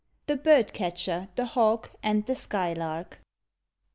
THE BIRD CATCHER, THE HAWK, AND THE SKYLARK.